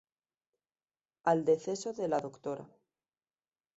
Al deceso de la Dra.